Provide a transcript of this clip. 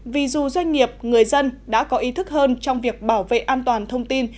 vì dù doanh nghiệp người dân đã có ý thức hơn trong việc bảo vệ an toàn thông tin